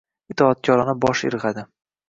itoatkorona bosh irg‘adi.